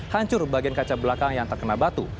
hancur bagian kaca belakang yang terkena batu